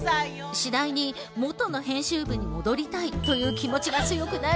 次第にもとの編集部に戻りたいという気持ちが強くなり。